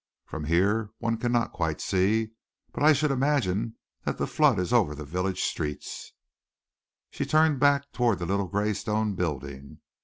From here one cannot quite see, but I should imagine that the flood is over the village street." She turned back toward the little gray stone building.